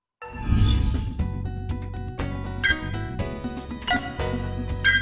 là cho người ta khi vui vét